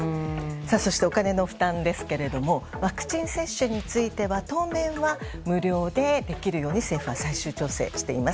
そして、お金の負担ですがワクチン接種については当面は無料でできるように政府は最終調整しています。